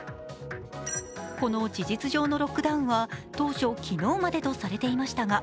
この事実上のロックダウンは当初、昨日までとされていましたが